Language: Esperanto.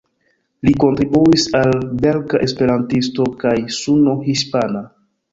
Li kontribuis al "Belga Esperantisto" kaj "Suno Hispana".